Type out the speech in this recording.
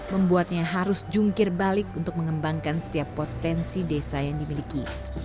membuatnya harus jungkir balik untuk mengembangkan setiap potensi desa yang dimiliki